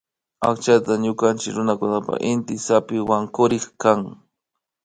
Akchaka ñukanchik runakunapan inty zapiwankurik kan